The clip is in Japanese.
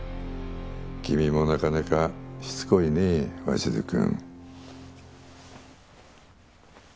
君もなかなかしつこいね鷲津君。